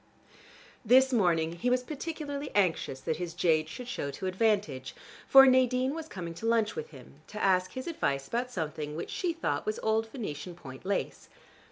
This morning he was particularly anxious that his jade should show to advantage, for Nadine was coming to lunch with him, to ask his advice about something which she thought was old Venetian point lace.